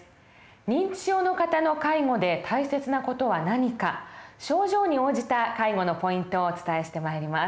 認知症の方の介護で大切な事は何か症状に応じた介護のポイントをお伝えしてまいります。